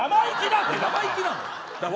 生意気なの。